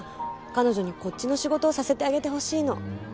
彼女にこっちの仕事をさせてあげてほしいの。